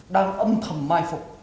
đang âm thầm mai phục